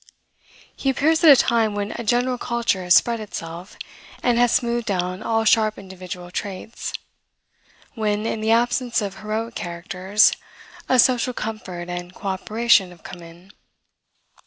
He appears at a time when a general culture has spread itself, and has smoothed down all sharp individual traits; when, in the absence of heroic characters, a social comfort and cooperation have come in.